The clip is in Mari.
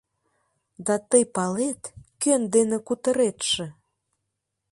Да тый палет, кӧн дене кутыретше?